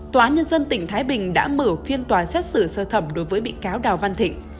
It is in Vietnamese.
tòa án nhân dân tỉnh thái bình đã mở phiên tòa xét xử sơ thẩm đối với bị cáo đào văn thịnh